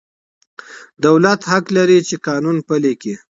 دولت حق لري چي قانون پلي کړي.